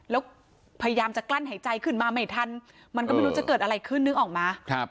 แล้วพยายามจะกลั้นหายใจขึ้นมาไม่ทันมันก็ไม่รู้จะเกิดอะไรขึ้นนึกออกมา